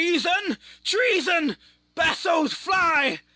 Treason, treason! bassoes, fly!